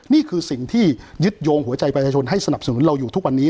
นี่คือสิ่งที่ยึดโยงหัวใจประชาชนให้สนับสนุนเราอยู่ทุกวันนี้